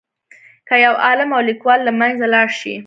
که یو عالم او لیکوال له منځه لاړ شي.